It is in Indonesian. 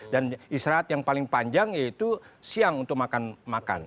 dan istirahat yang paling panjang yaitu siang untuk makan makan